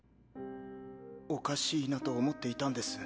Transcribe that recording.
おかしいなと思っていたんです。